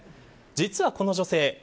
実はこの女性